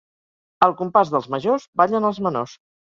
Al compàs dels majors, ballen els menors.